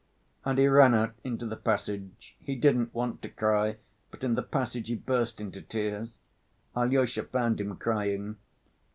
And he ran out into the passage. He didn't want to cry, but in the passage he burst into tears. Alyosha found him crying.